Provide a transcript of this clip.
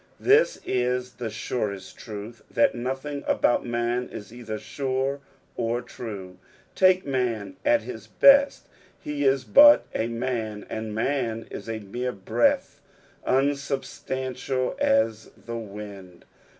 This is the surest truth, that nothing about man is either sure or true. Take man at his best, he is but a man, and man is a mere breath, unsubstantial as the wind.